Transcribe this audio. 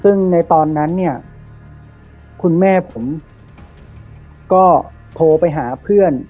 ซึ่งในตอนนั้นเนี่ยคุณแม่ผมก็โทรไปหาเพื่อน